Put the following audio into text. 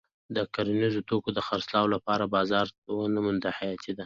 د کرنیزو توکو د خرڅلاو لپاره بازار موندنه حیاتي ده.